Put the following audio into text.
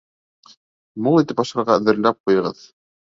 Мул итеп ашарға әҙерләп ҡуйығыҙ.